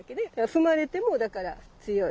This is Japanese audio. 踏まれてもだから強い。